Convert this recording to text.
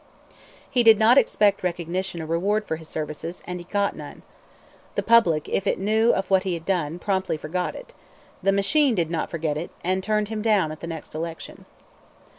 He did not expect recognition or reward for his services; and he got none. The public, if it knew of what he had done, promptly forgot it. The machine did not forget it, and turned him down at the next election.